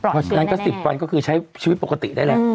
เพราะฉะนั้นก็๑๐วันก็คือใช้ชีวิตปกติได้แหละ